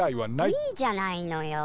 いいじゃないのよ。